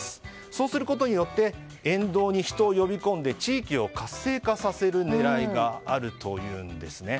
そうすることによって沿道に人を呼び込んで地域を活性化させる狙いがあるというんです。